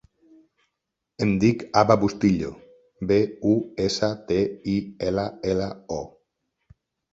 Em dic Abba Bustillo: be, u, essa, te, i, ela, ela, o.